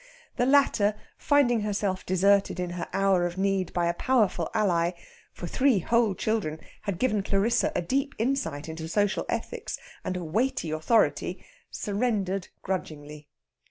The latter, finding herself deserted in her hour of need by a powerful ally for three whole children had given Clarissa a deep insight into social ethics, and a weighty authority surrendered grudgingly.